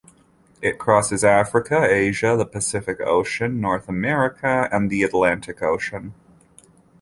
It crosses Africa, Asia, the Pacific Ocean, North America and the Atlantic Ocean.